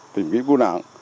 tìm kiếm cú nạn